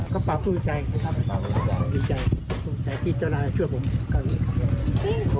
ก็ปล่าวสู้ใจนะครับสู้ใจสู้ใจที่เจ้านายจะช่วยผมครั้งนี้